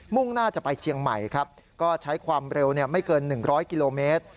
่งหน้าจะไปเชียงใหม่ครับก็ใช้ความเร็วไม่เกิน๑๐๐กิโลเมตร